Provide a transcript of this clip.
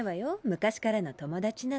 昔からの友達なの。